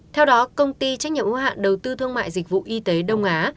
theo đó công ty trách nhiệm ưu hạn đầu tư thương mại dịch vụ y tế đông á